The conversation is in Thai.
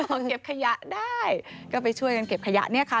พอเก็บขยะได้ก็ไปช่วยกันเก็บขยะเนี่ยค่ะ